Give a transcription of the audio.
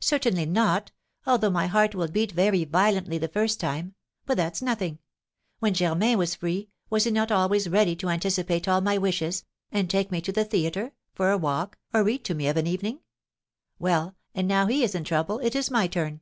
"Certainly not; although my heart will beat very violently the first time. But that's nothing. When Germain was free, was he not always ready to anticipate all my wishes, and take me to the theatre, for a walk, or read to me of an evening? Well, and now he is in trouble, it is my turn.